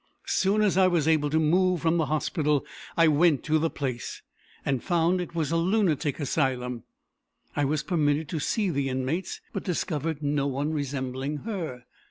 As soon as I was able to move from the hospital, I went to the place, and found it was a lunatic asylum. I was permitted to see the inmates, but discovered no one resembling her.